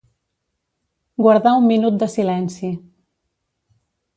Guardar un minut de silenci.